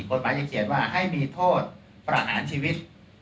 กฎหมายยังเขียนว่าให้มีโทษประหารชีวิต